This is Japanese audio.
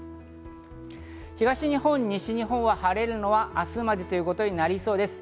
東日本、西日本は晴れるのは明日までということになりそうです。